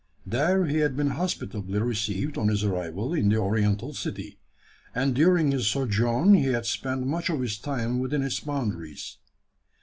There he had been hospitably received on his arrival in the Oriental city; and during his sojourn he had spent much of his time within its boundaries.